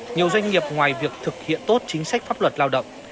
nhiều doanh nghiệp ngoài việc thực hiện tốt chính sách pháp luật lao động